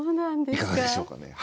いかがでしょうかね？